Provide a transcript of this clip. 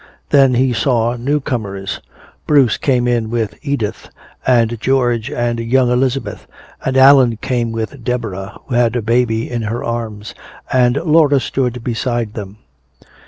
Then he saw new comers. Bruce came in with Edith, and George and young Elizabeth, and Allan came with Deborah who had a baby in her arms, and Laura stood beside them.